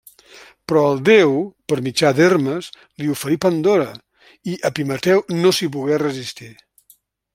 Però el déu, per mitjà d'Hermes, li oferí Pandora, i Epimeteu no s'hi pogué resistir.